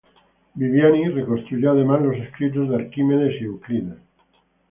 Viviani reconstruyó además los escritos de Arquímedes y Euclides.